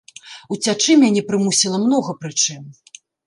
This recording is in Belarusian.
Уцячы мяне прымусіла многа прычын.